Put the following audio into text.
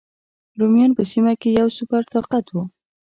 رومیان په سیمه کې یو سوپر طاقت و.